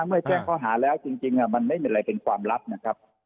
ถ้าไม่แจ้งข้อหาแล้วจริงจริงอ่ะมันไม่มีอะไรเป็นความลับนะครับ